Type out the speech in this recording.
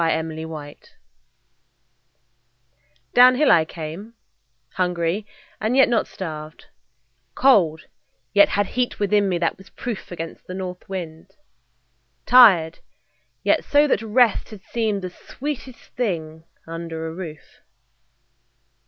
W X . Y Z The Owl DOWNHILL I came, hungry, and yet not starved, Cold, yet had heat within me that was proof Against the north wind; tired, yet so that rest Had seemed the sweetest thing under a roof.